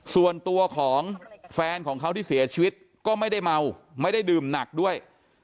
ส่วนตัวของแฟนของเขาที่เสียชีวิตก็ไม่ได้เมาไม่ได้ดื่มหนักด้วย